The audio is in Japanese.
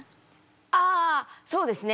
あそうですね。